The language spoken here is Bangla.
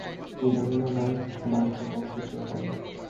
জানি না ভাই, বাকি বাক্স চেক করো।